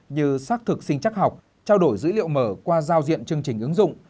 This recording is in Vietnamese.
như xác thực sinh chắc học trao đổi dữ liệu mở qua giao diện chương trình ứng dụng